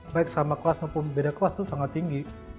baik sama kelas maupun beda kelas itu sangat tinggi